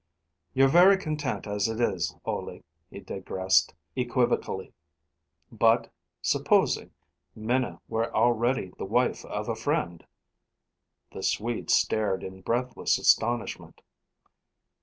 "You're very content as it is, Ole," he digressed, equivocally; "but supposing Minna were already the wife of a friend?" The Swede stared in breathless astonishment.